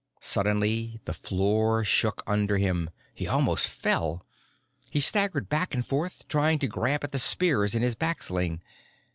Suddenly, the floor shook under him. He almost fell. He staggered back and forth, trying to grab at the spears in his back sling.